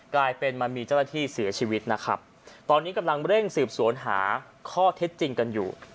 มันมีเจ้าหน้าที่เสียชีวิตนะครับตอนนี้กำลังเร่งสืบสวนหาข้อเท็จจริงกันอยู่